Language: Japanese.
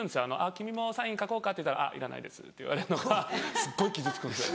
「君もサイン書こうか」って言ったら「いらないです」って言われるのがすっごい傷つくんです。